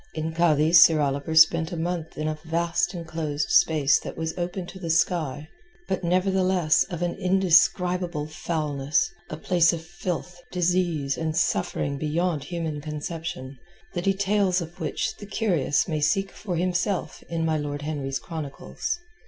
In Cadiz Sir Oliver spent a month in a vast enclosed space that was open to the sky, but nevertheless of an indescribable foulness, a place of filth, disease, and suffering beyond human conception, the details of which the curious may seek for himself in my Lord Henry's chronicles.